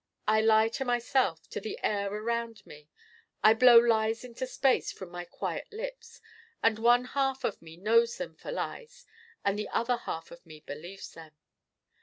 I lie to myself, to the air around me I blow lies into space from my quiet lips. And one half of me knows them for lies and the other half of me believes them.